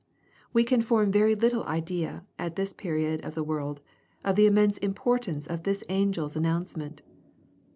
We can form very little idea, at this period of the world, of the immense importance of this angel's an nouncement.